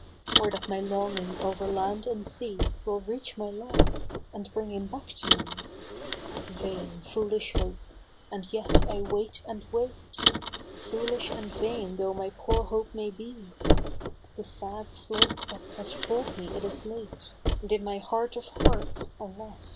Or that my longing over land and sea Will reach my love, and bring him back to me ! Vain foolish hope ! and yet I wait and wait, FooHsh and vain though my poor hope may be ; The sad slow clock has told me it is late, And in my heart of hearts alas